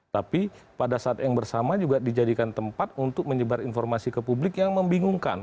tapi pada saat yang bersama juga dijadikan tempat untuk menyebar informasi ke publik yang membingungkan